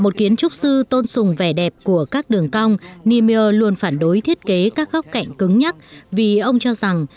trúc sư tôn sùng vẻ đẹp của các đường cong niemeyer luôn phản đối thiết kế các góc cạnh cứng nhất vì ông cho rằng